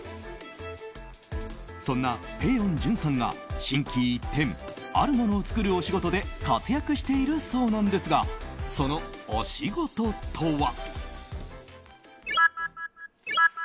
そんなぺよん潤さんが心機一転あるものを作るお仕事で活躍しているそうなんですがそのお仕事とは。